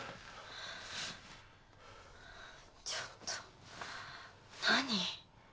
ちょっと何？